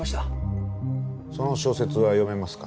その小説は読めますか？